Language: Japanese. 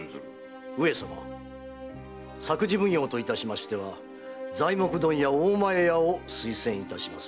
上様作事奉行といたしましては材木問屋・大前屋を推薦いたします。